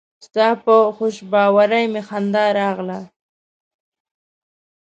ستا په خوشباوري مې خندا راغله.